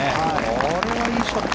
これはいいショット。